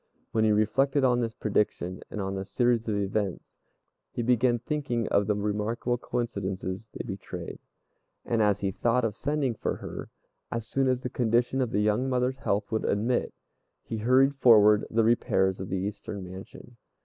When he reflected on this prediction and on the series of events, he began thinking of the remarkable coincidences they betrayed; and as he thought of sending for her, as soon as the condition of the young mother's health would admit, he hurried forward the repairs of the eastern mansion.